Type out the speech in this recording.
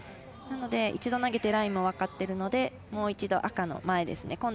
なので、一度投げてラインも分かっているのでもう一度、赤の前ですね。